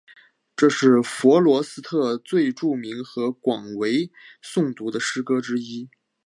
这是弗罗斯特最著名和最广为诵读的诗歌之一。